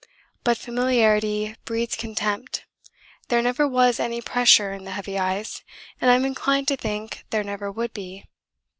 But familiarity breeds contempt; there never was any pressure in the heavy ice, and I'm inclined to think there never would be.